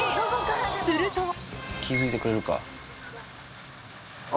すると気付いてくれるか？